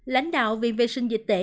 lãnh đạo viện vệ sinh dịch tễ